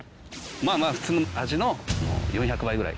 まぁまぁ普通のアジの４００倍ぐらい。